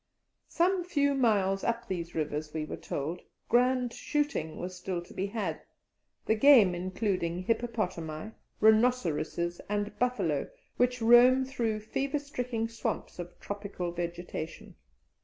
Some few miles up these rivers, we were told, grand shooting was still to be had, the game including hippopotami, rhinoceroses, and buffalo, which roam through fever stricken swamps of tropical vegetation.